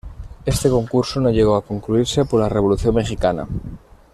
Este concurso no llegó a concluirse por la Revolución Mexicana.